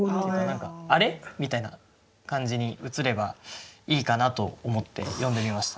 あれっ？みたいな感じに映ればいいかなと思って詠んでみました。